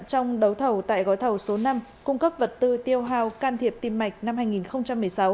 trong đấu thầu tại gói thầu số năm cung cấp vật tư tiêu hào can thiệp tim mạch năm hai nghìn một mươi sáu